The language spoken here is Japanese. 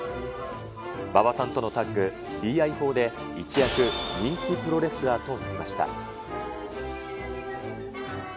馬場さんとのタッグ、ＢＩ砲で一躍、人気プロレスラーとなりました。